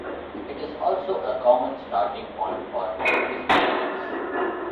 It is also a common starting point for bismuth chemistry.